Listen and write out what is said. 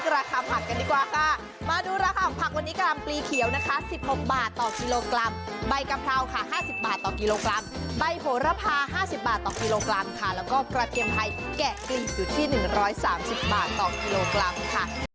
แล้วก็กระเทียมไพรแกะกลิ่นอยู่ที่๑๓๐บาทต่อกิโลกรัมค่ะ